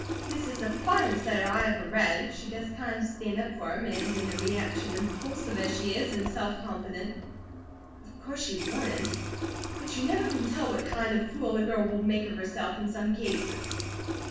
That IS the finest letter I ever read; she does kind of stand up for him; and in the reaction, impulsive as she is and self confident of course she wouldn't, but you never can tell what kind of fool a girl will make of herself, in some cases."